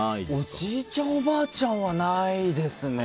おじいちゃん、おばあちゃんはないですね。